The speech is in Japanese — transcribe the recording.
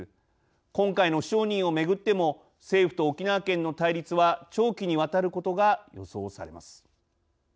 今回の不承認をめぐっても政府と沖縄県の対立は長期に渡ることが予想されます。